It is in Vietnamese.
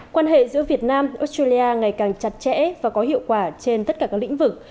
quan hệ giữa việt nam australia ngày càng chặt chẽ và có hiệu quả trên tất cả các lĩnh vực